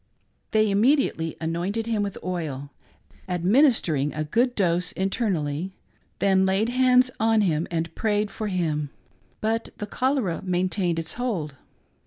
They immediately anointed him with oil, administering a good dose internally ; then laid hands on him and prayed for him ; but the cholera maintained its hold.